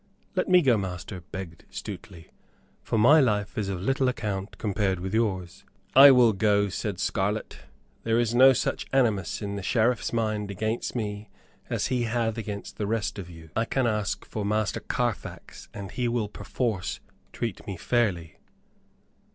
"Let me go, Master," begged Stuteley; "for my life is of little account compared with yours." "I will go," said Scarlett. "There is no such animus in the Sheriff's mind against me as he hath against the rest of you. I can ask for Master Carfax and he will perforce treat me fairly."